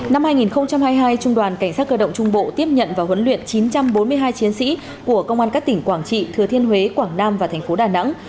năm hai nghìn hai mươi hai trung đoàn cảnh sát cơ động trung bộ tiếp nhận và huấn luyện chín trăm bốn mươi hai chiến sĩ của công an các tỉnh quảng trị thừa thiên huế quảng nam và thành phố đà nẵng